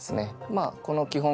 まあこの基本５